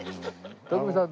徳光さん